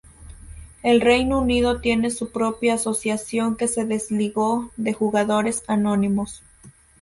El Reino Unido tiene su propia asociación que se desligó de Jugadores Anónimos.